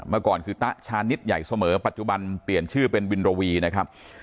เมื่อก่อนคือตะชานิดใหญ่เสมอปัจจุบันเปลี่ยนชื่อเป็นวินระวีนะครับ